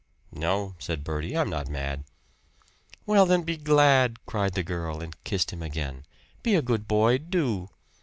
"No," said Bertie, "I'm not mad." "Well, then, be glad!" cried the girl, and kissed him again. "Be a good boy do!"